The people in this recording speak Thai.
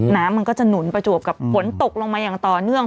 มันก็จะหนุนประจวบกับฝนตกลงมาอย่างต่อเนื่อง